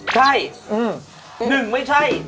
ใช่หนึ่งไม่ใช่